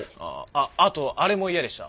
ああとあれも嫌でした。